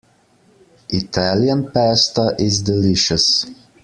Italian Pasta is delicious.